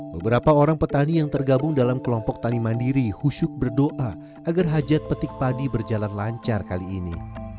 beberapa orang petani yang tergabung dalam kelompok tani mandiri husyuk berdoa agar hajat petik padi berjalan lancar kali ini